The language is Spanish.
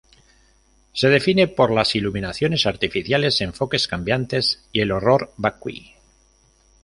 Se define por las iluminaciones artificiales, enfoques cambiantes y el "horror vacui".